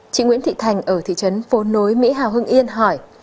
chị nguyễn thị thành ở thị trấn phố nối mỹ hào hưng yên hỏi